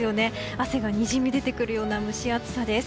汗がにじみ出てくるような蒸し暑さです。